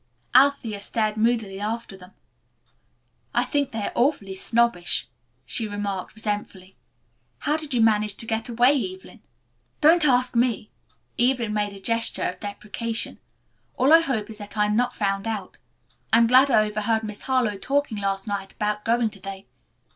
Althea stared moodily after them. "I think they are awfully snobbish," she remarked resentfully. "How did you manage to get away, Evelyn?" "Don't ask me," Evelyn made a gesture of deprecation. "All I hope is that I'm not found out. I'm glad I overheard Miss Harlowe talking last night about going to day.